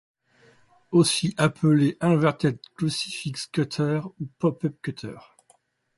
Aussi appelée Inverted Crucifix Cutter ou Pop-Up Cutter.